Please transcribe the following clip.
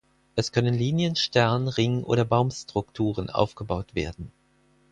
Es können Linien-, Stern-, Ring- oder Baum-Strukturen aufgebaut werden.